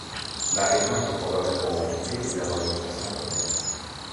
La région était probablement occupée dès avant l'occupation romaine.